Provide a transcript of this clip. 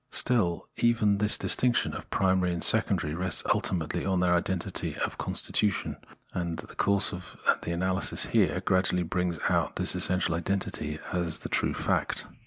Still, even this distinction of primary and secondary rests ultimately on their identity of constitution ; and the course of the analysis here gradually brings out this essential identity as the true fact.